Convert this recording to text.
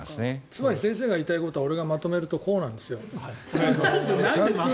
つまり先生が言いたいことは俺がまとめるとこうなんです。